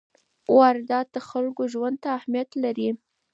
واردات د خلکو ژوند ته اهمیت لري.